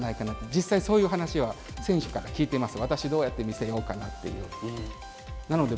実際そういう話を選手から聞いています。